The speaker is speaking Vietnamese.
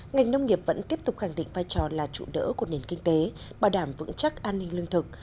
ngành nông nghiệp vẫn tiếp tục khẳng định vai trò là trụ đỡ của nền kinh tế bảo đảm vững chắc an ninh lương thực